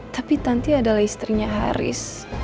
tapi tanti adalah istrinya haris